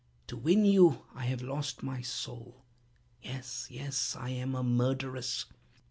To win you I have lost my soul! Yes—yes—I am a murderess!